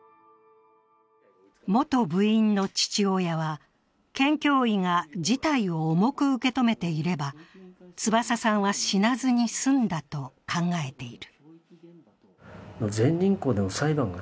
元部員の父親は、県教委が事態を重く受け止めていれば翼さんは死なずに済んだと考えている。